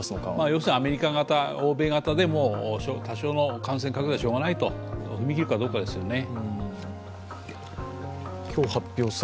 要するにアメリカ型、欧米型でも多少の感染拡大はしようがないと踏み切るかどうかですよね。